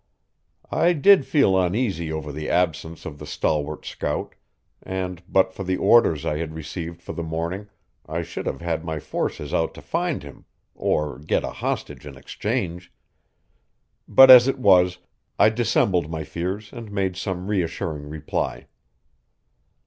I did feel uneasy over the absence of the stalwart scout, and but for the orders I had received for the morning I should have had my forces out to find him, or get a hostage in exchange. But as it was, I dissembled my fears and made some reassuring reply.